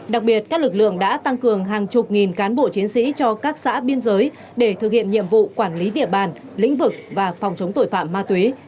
đặc biệt các lực lượng đã tăng cường hàng chục nghìn cán bộ chiến sĩ cho các xã biên giới để thực hiện nhiệm vụ quản lý địa bàn lĩnh vực và phòng chống tội phạm ma túy